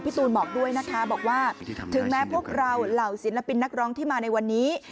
ตูนบอกด้วยนะคะบอกว่าถึงแม้พวกเราเหล่าศิลปินนักร้องที่มาในวันนี้